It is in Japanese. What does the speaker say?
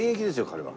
彼は。